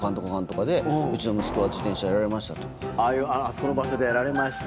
あそこの場所でやられました。